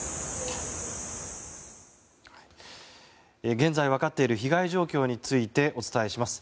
現在分かっている被害状況についてお伝えします。